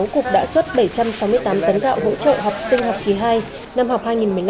cục đã xuất bảy trăm sáu mươi tám tấn gạo hỗ trợ học sinh học kỳ hai năm học hai nghìn một mươi năm hai nghìn một mươi sáu